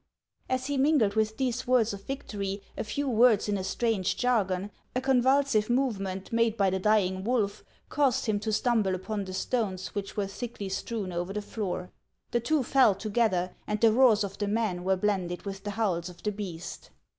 As lie mingled with these words of victory a few words in a strange jargon, a convulsive movement made by the dying wolf caused him to stumble upon the stones which were thickly strewn over the floor. The t\vo fell to gether, and the roars of the man were blended with the howls of the beast.